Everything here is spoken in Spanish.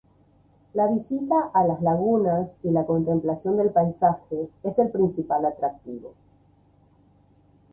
La visita a las lagunas y la contemplación del paisaje es el principal atractivo.